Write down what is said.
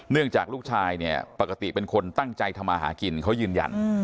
จากลูกชายเนี่ยปกติเป็นคนตั้งใจทำมาหากินเขายืนยัน